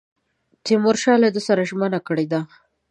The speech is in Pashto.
تیمورشاه له ده سره ژمنه کړې ده.